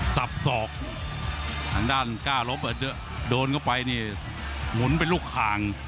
สับสอกทางด้านกล้าลบโดนเข้าไปนี่หมุนเป็นลูกคาง